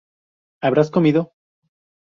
¿Habrás comido?